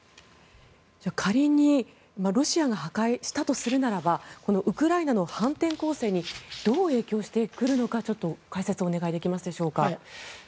仮にロシアが破壊したとするならばウクライナの反転攻勢にどう影響してくるのか解説をお願いできますでしょうか。